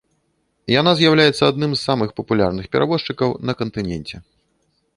Яна з'яўляецца адным з самых папулярных перавозчыкаў на кантыненце.